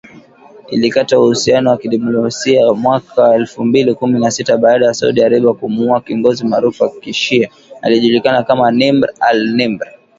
Ilikata uhusiano wa kidiplomasia mwaka elfu mbili kumi na sita, baada ya Saudi Arabia kumuua kiongozi maarufu wa kishia, aliyejulikana kama Nimr al-Nimr